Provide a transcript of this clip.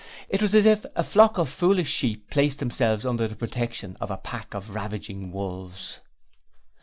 It was as if a flock of foolish sheep placed themselves under the protection of a pack of ravening wolves.